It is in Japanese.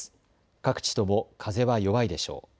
各地とも風は弱いでしょう。